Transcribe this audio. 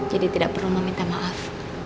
tidak perlu meminta maaf